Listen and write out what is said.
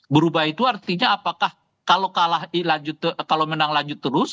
berubah itu artinya apakah kalau menang lanjut terus